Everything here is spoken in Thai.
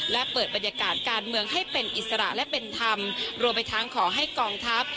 และเปิดบรรยากาศการเมืองให้เป็นอิสระและเป็นธรรมรวมไปทั้งขอให้กองทัพ